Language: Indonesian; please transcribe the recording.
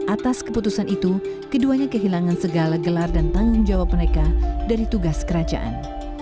atas keputusan itu keduanya kehilangan segala gelar dan tanggung jawab mereka dari tugas kerajaan